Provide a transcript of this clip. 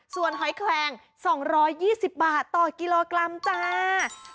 ส่วนหอยแคลง๒๒๐บาทต่อกิโลกรัมจ้า